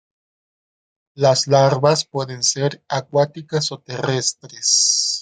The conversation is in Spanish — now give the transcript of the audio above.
Las larvas pueden ser acuáticas o terrestres.